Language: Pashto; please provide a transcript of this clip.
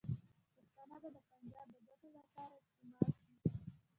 پښتانه به د پنجاب د ګټو لپاره استعمال شي.